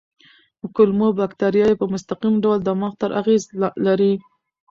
کولمو بکتریاوې په مستقیم ډول دماغ ته اغېز لري.